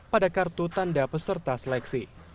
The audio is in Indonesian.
pada kartu tanda peserta seleksi